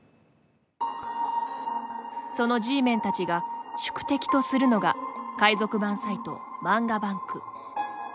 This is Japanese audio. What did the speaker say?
そのＧメンたちが宿敵とするのが海賊版サイト、漫画ＢＡＮＫ。